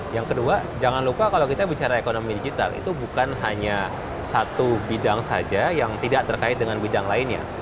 yang kedua jangan lupa kalau kita bicara ekonomi digital itu bukan hanya satu bidang saja yang tidak terkait dengan bidang lainnya